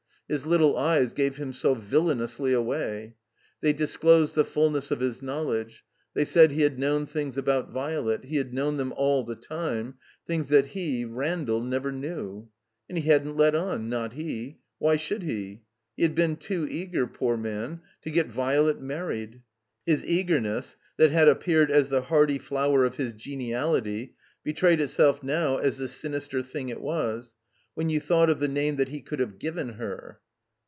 His little eyes gave him so villainously away. They dis closed the fullness of his knowledge ; ^.they said he had known things about Violet ; he had known them all the time, things that he, Randall, never knew. And he hadn't let on, not he. Why should he ? He had been too eager, poor man, to get Violet married. His eagerness, that had appeared as the hardy flower of his geniality, betrayed itself now as the sinister thing it was — ^when you thought of the name that he could have given her!